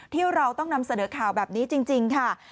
ที่เราต้องนำเสนอข่าวแบบนี้จริงค่ะ